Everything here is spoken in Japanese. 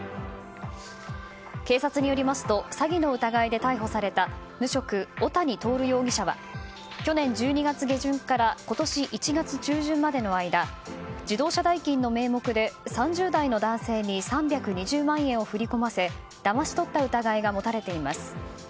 警察によりますと詐欺の疑いで逮捕された無職・小谷徹容疑者は去年１２月下旬から今年１月中旬までの間自動車代金の名目で３０代の男性に３２０万円を振り込ませだまし取った疑いが持たれています。